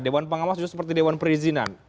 dewan pengawas juga seperti dewan perizinan